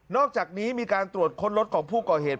อกจากนี้มีการตรวจค้นรถของผู้ก่อเหตุ